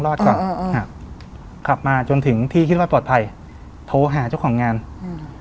ก่อนอ่าฮะขับมาจนถึงที่คิดว่าปลอดภัยโทรหาเจ้าของงานอืม